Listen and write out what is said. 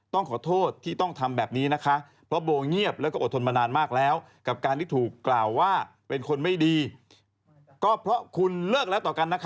ต้องขอโทษที่ต้องทำแบบนี้นะคะเพราะโบเงียบและอดทนมานานมากแล้ว